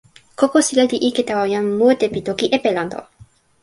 kokosila li ike tawa jan mute pi toki Epelanto.